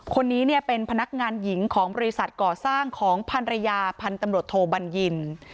คนนี้เนี้ยเป็นพนักงานหญิงของบริษัทก่อสร้างของภรรยาพันธบทโบนยิน